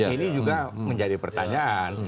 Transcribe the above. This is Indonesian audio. ini juga menjadi pertanyaan